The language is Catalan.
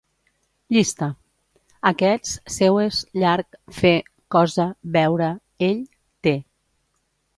Llista: aquests, seues, llarg, fer, cosa, veure, ell, té